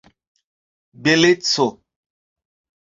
beleco